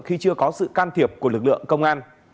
khi chưa có sự can thiệp của lực lượng công an